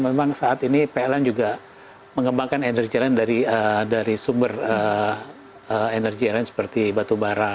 memang saat ini pln juga mengembangkan energy line dari sumber energy line seperti batubara